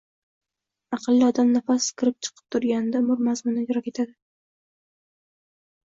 Aqlli odam nafas kirib-chiqib turganida umr mazmunini idrok etadi.